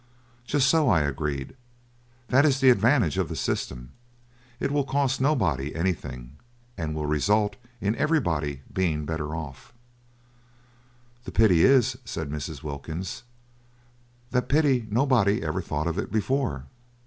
"Just so," I agreed, "that is the advantage of the system. It will cost nobody anything, and will result in everybody being better off." "The pity is," said Mrs. Wilkins "that pity nobody ever thought of it before."